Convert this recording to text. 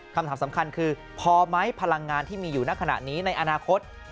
คำถามสำคัญคือพอไหมพลังงานที่มีอยู่ในขณะนี้ในอนาคต